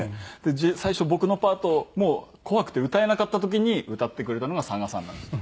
最初僕のパートもう怖くて歌えなかった時に歌ってくれたのが佐賀さんなんです。